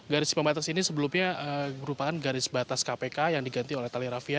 garis pembatas ini sebelumnya merupakan garis batas kpk yang diganti oleh tali rafia